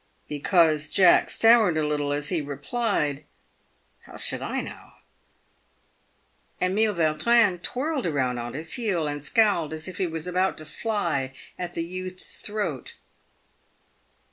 Because Jack stammered a little as he replied, "How should I know ?" Emile Vautrin twirled round on his heel, and scowled as if he was about to fly at the youth's throat.